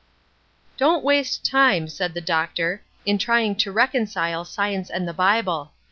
"Don't waste time," said the Doctor, "in trying to reconcile science and the Bible.